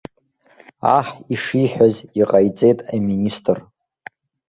Аҳ ишиҳәаз иҟаиҵеит аминистр.